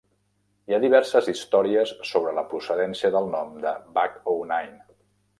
Hi ha diverses històries sobre la procedència del nom de Buck-O-Nine.